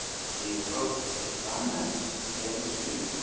"We approach a climax, eh, monsieur?"